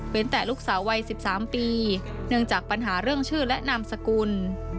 แต่ลูกสาววัย๑๓ปีเนื่องจากปัญหาเรื่องชื่อและนามสกุล